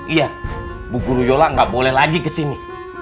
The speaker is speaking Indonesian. iya bu guru yola nggak boleh lagi kesini